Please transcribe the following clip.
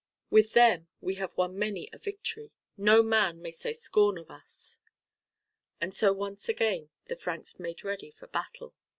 With them we have won many a victory. No man may say scorn of us." And so once again the Franks made ready for battle.